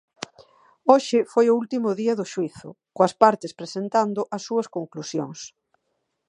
Hoxe foi o último día do xuízo, coas partes presentando as súas conclusións.